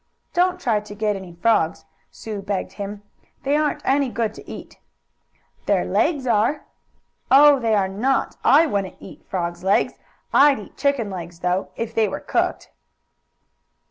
"Don't try to get any frogs," Sue begged him. "They aren't any good to eat." "Their legs are!" "Oh, they are not! I wouldn't eat frogs' legs. I'd eat chickens' legs though, if they were cooked."